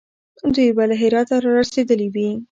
دوی به له هراته را رسېدلي وي.